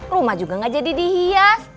rumah juga gak jadi dihias